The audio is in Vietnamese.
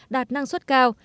đạt năng suất cao